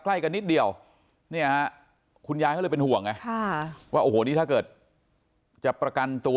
ใกล้กันนิดเดียวเนี่ยฮะคุณยายเขาเลยเป็นห่วงไงว่าโอ้โหนี่ถ้าเกิดจะประกันตัว